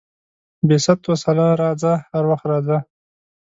بې ست وسلا راځه، هر وخت راځه.